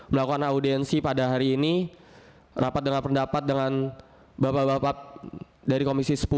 melakukan audiensi pada hari ini rapat dengan pendapat dengan bapak bapak dari komisi sepuluh